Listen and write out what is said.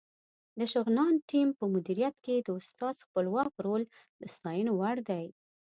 د شغنان ټیم په مدیریت کې د استاد خپلواک رول د ستاینې وړ دی.